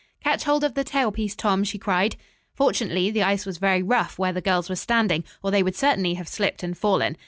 "Catch hold of the tail piece, Tom," she cried. Fortunately the ice was very rough where the girls were standing, or they would certainly have slipped and fallen.